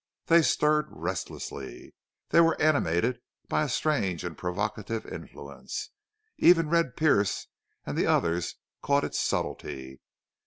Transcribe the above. They stirred restlessly. They were animated by a strange and provocative influence. Even Red Pearce and the others caught its subtlety.